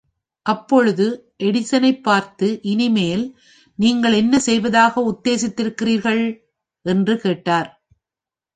அப்பொழுதுஎடிசனைப்பார்த்து, இனிமேல், நீங்கள் என்ன செய்வதாக உத்தேசித்திருக்கிறீர்கள்? என்று கேட்டார்.